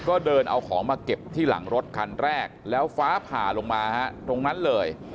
ก็เดินเอาของมาเก็บที่หลังรถคันแรกแล้วฟ้าผ่าลงมาฮะตรงนั้นเลย